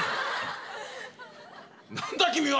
何だ君は！？